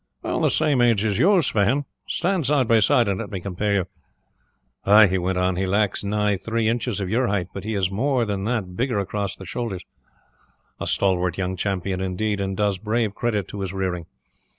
"The same age as you, Sweyn. Stand side by side and let me compare you. Ay," he went on, "he lacks nigh three inches of your height, but he is more than that bigger across the shoulders a stalwart young champion, indeed, and does brave credit to his rearing.